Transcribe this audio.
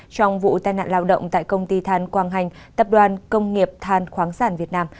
trong vụ tai nạn lao động tại công ty than quang hành tập đoàn công nghiệp than khoáng sản việt nam